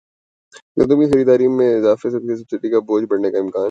گندم کی خریداری میں اضافے سے سبسڈی کا بوجھ بڑھنے کا امکان